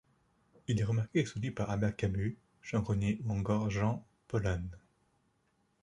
Il est remarqué et soutenu par Albert Camus, Jean Grenier ou encore Jean Paulhan.